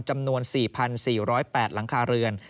จำนวน๔๔๐๘หลังคาเรือน